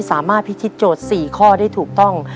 สามารถพิธีโจทย์๔ข้อได้ถูกต้อง